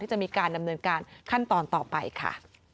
จะมีการดำเนินการขั้นตอนต่อไปค่ะ